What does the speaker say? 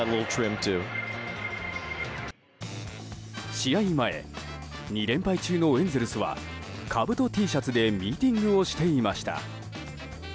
試合前２連敗中のエンゼルスはかぶとＴシャツでミーティングをしていました。